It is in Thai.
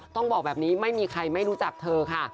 ต้องบอกแบบนี้ไม่มีใครไม่รู้จักเธอค่ะ